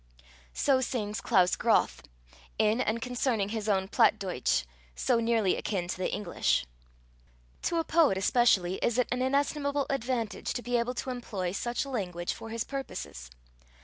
So sings Klaus Groth, in and concerning his own Plattdeutsch so nearly akin to the English. To a poet especially is it an inestimable advantage to be able to employ such a language for his purposes.